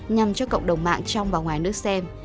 nhằm cho cộng đồng mạng trong và ngoài nước xem